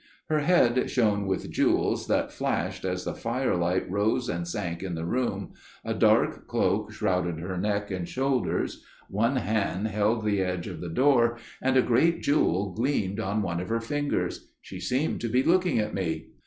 Her head shone with jewels that flashed as the firelight rose and sank in the room, a dark cloak shrouded her neck and shoulders, one hand held the edge of the door, and a great jewel gleamed on one of her fingers. She seemed to be looking at me.